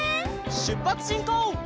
しゅっぱつしんこう！